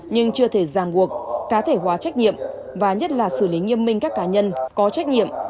nhưng chưa thể ràng buộc cá thể hóa trách nhiệm và nhất là xử lý nghiêm minh các cá nhân có trách nhiệm